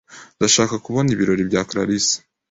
Ndashaka kubona ibirori bya Clarisse.